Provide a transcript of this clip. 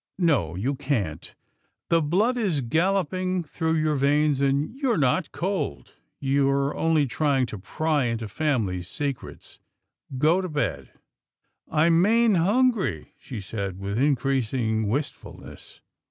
" No, you can't. The blood is galloping through your veins, and you're not cold. You're only trying to pry into family secrets. Go to bed." " I'm main hungry," she said with increased wist fulness.